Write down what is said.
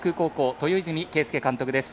豊泉啓介監督です。